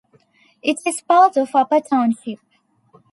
It is part of Upper Township.